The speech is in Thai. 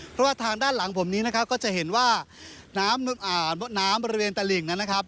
เพราะว่าทางด้านหลังผมนี้นะครับก็จะเห็นว่าน้ำบริเวณตลิ่งนั้นนะครับ